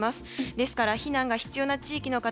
ですから、避難が必要な地域の方